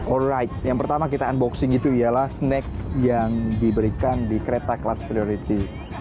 or right yang pertama kita unboxing itu ialah snack yang diberikan di kereta kelas priority